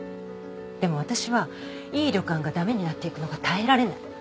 でも私はいい旅館が駄目になっていくのが耐えられない